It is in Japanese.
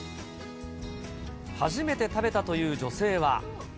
初めて食べたという女性は。